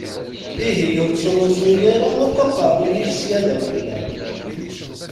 Ihi ur ttṛuẓu ara akk aqeṛṛu-k sya d afella!